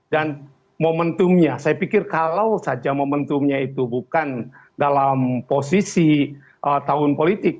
dan momentumnya saya pikir kalau saja momentumnya itu bukan dalam posisi tahun politik